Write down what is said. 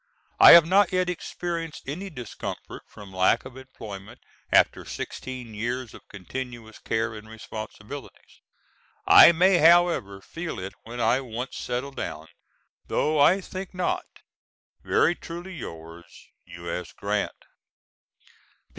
I have not yet experienced any discomfort from lack of employment after sixteen years of continuous care and responsibilities. I may however feel it when I once settle down, though I think not. Very truly yours, U.S. GRANT.